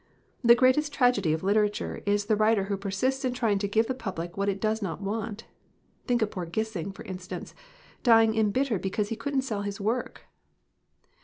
The greatest tragedy of literature is the writer who persists in trying to give the public what it does not want. Think of poor Gissing, for instance, dying embittered be cause he couldn't sell his work!"